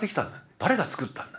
誰がつくったんだ？